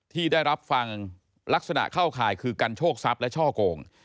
ที่ได้รับฟังลักษณะเข้าข่ายคือกันโชคทรัพย์และช่อโกง